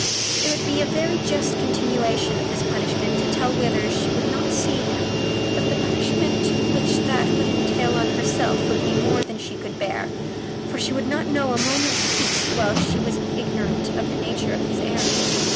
It would be a very just continuation of his punishment to tell Withers she would not see him, but the punishment which that would entail on herself would be more than she could bear, for she would not know a moment's peace while she was ignorant of the nature of his errand.